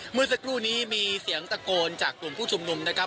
เมื่อสักครู่นี้มีเสียงตะโกนจากกลุ่มผู้ชุมนุมนะครับ